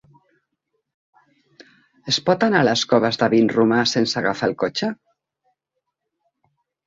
Es pot anar a les Coves de Vinromà sense agafar el cotxe?